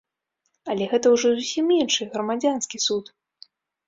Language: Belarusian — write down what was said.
Але гэта ўжо зусім іншы, грамадзянскі суд.